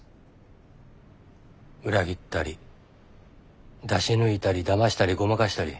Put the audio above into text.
裏切ったり出し抜いたりだましたりごまかしたり。